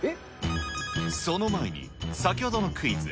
その前に、先ほどのクイズ。